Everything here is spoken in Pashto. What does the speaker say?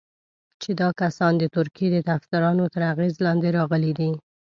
چې دا کسان د ترکیې د طرفدارانو تر اغېز لاندې راغلي دي.